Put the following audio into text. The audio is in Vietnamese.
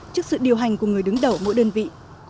trước sự điều hành của người đứng đầu mỗi đơn vị